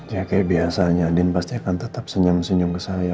ya kayak biasanya din pasti akan tetap senyum senyum ke saya